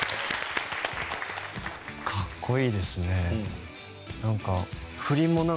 かっこいいですね。